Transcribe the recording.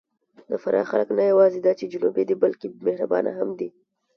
د فراه خلک نه یواځې دا چې جنوبي دي، بلکې مهربانه هم دي.